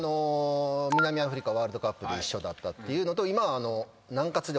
南アフリカワールドカップで一緒だったっていうのと今は南で同じチームなので。